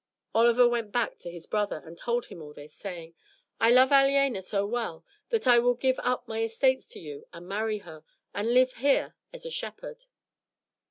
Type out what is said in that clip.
Oliver went back to his brother and told him all this, saying, "I love Aliena so well that I will give up my estates to you and marry her, and live here as a shepherd."